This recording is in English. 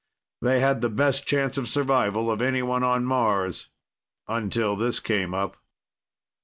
They'd had the best chance of survival of anyone on Mars until this came up.